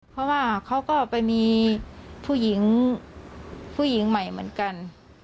เพราะว่าเขาก็ไปมีผู้หญิงผู้หญิงใหม่เหมือนกัน